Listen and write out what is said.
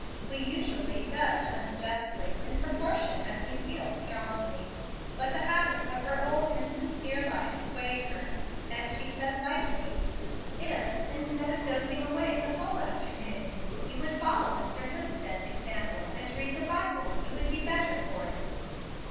We usually judge unjustly, in proportion as we feel strongly. But the habit of her old, insincere life swayed her, and she said lightly, "If, instead of dozing away the whole afternoon, you would follow Mr. Hemstead's example and read the Bible, you would be the better for it."